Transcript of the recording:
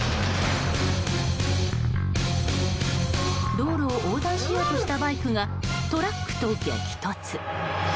道路を横断しようとしたバイクがトラックと激突。